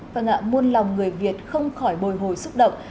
vâng ạ muôn lòng người việt không khỏi bồi hồi xúc động